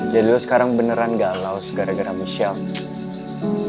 jadi lo sekarang beneran galau gara gara michelle